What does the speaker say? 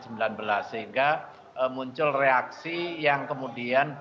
sehingga muncul reaksi yang kemudian